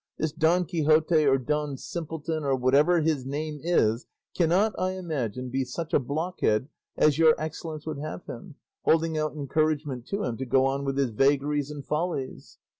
This Don Quixote, or Don Simpleton, or whatever his name is, cannot, I imagine, be such a blockhead as your excellence would have him, holding out encouragement to him to go on with his vagaries and follies."